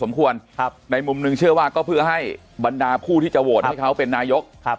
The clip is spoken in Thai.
สมควรครับในมุมนึงเชื่อว่าก็เพื่อให้บรรดาผู้ที่จะโหวตให้เขาเป็นนายกครับ